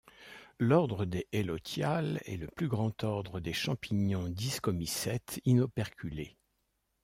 L’ordre des Helotiales est le plus grand ordre des champignons discomycètes inoperculés.